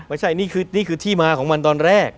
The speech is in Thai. ไม่ใช่นี่คือที่มาของมันตอนแรก